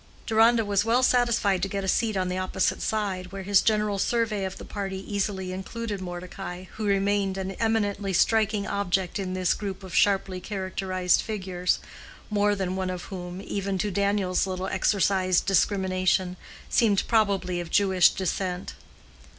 Deronda was well satisfied to get a seat on the opposite side, where his general survey of the party easily included Mordecai, who remained an eminently striking object in this group of sharply characterized figures, more than one of whom, even to Daniel's little exercised discrimination, seemed probably of Jewish descent.